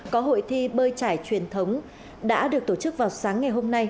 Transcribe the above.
có hội thi bơi trải truyền thống đã được tổ chức vào sáng ngày hôm nay